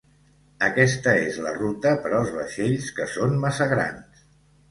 Aquesta és la ruta per als vaixells que són massa grans.